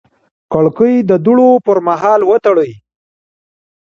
کړکۍ د دوړو پر مهال وتړئ.